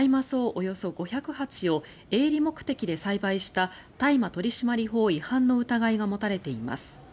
およそ５００鉢を営利目的で栽培した大麻取締法違反の疑いが持たれています。